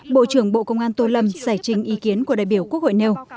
bộ trưởng bộ công an tô lâm giải trình ý kiến của đại biểu quốc hội nêu